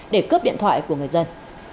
để cướp điện thoại của người dân